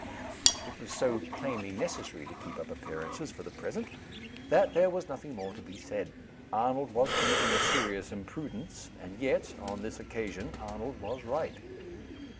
It was so plainly necessary to keep up appearances for the present, that there was nothing more to be said. Arnold was committing a serious imprudence and yet, on this occasion, Arnold was right.